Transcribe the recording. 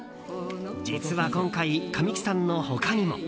実は今回、神木さんの他にも。